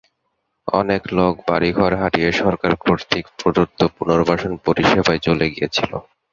অনেক লোক বাড়িঘর হারিয়ে সরকার কর্তৃক প্রদত্ত পুনর্বাসন পরিষেবায় চলে গিয়েছিল।